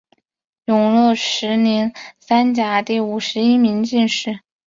永乐十年三甲第五十一名进士。